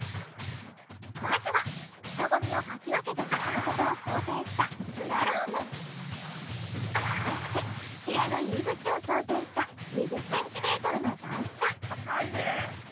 まずは人混みをかき分けて進むことを想定したそして部屋の入り口を想定した高いで。